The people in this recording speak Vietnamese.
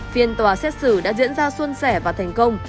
phiên tòa xét xử đã diễn ra xuân sẻ và thành công